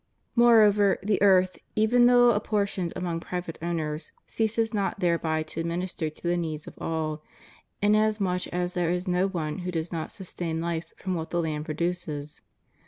More over, the earth, even though apportioned among private owners, ceases not thereby to minister to the needs of all, inasmuch as there is no one who does not sustain life from what the land produces.